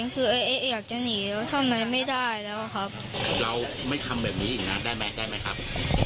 ค่ะไม่ได้แล้วครับเราไม่ทำแบบนี้อีกนานได้ไหมได้ไหมครับ